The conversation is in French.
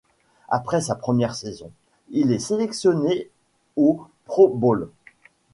Après sa première saison, il est sélectionné au Pro Bowl.